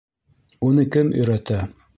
Уны кем өйрәтә?